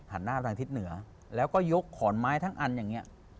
หน้าทางทิศเหนือแล้วก็ยกขอนไม้ทั้งอันอย่างนี้